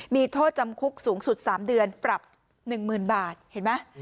มีโทษจำคุกสูงสุด๓เดือนปรับ๑๐๐๐บาทเห็นไหม